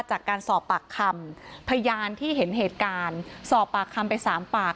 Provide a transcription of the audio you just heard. จากการสอบปากคำพยานที่เห็นเหตุการณ์สอบปากคำไปสามปาก